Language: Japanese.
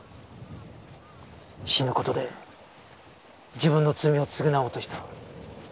死ぬ事で自分の罪を償おうとした。